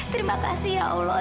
terima kasih ya allah